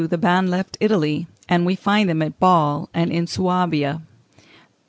] In 1422 the band left Italy, and we find them at Basle and in Suabia.